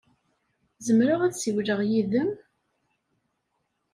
Zemreɣ ad ssiwleɣ yid-m?